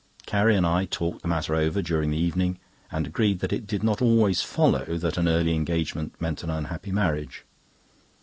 Carrie and I talked the matter over during the evening, and agreed that it did not always follow that an early engagement meant an unhappy marriage.